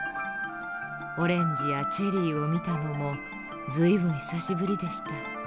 オレンジやチェリーを見たのも随分久しぶりでした。